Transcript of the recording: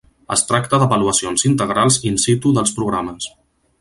Es tracta d'avaluacions integrals in situ dels programes.